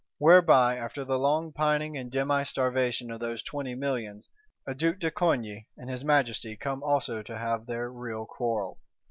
Whereby, after the long pining and demi starvation of those Twenty Millions, a Duke de Coigny and his Majesty come also to have their "real quarrel."